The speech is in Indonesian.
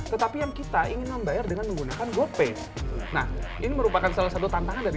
tetapi yang kita ingin membayar dengan menggunakan gopay nah ini merupakan salah satu tantangan dari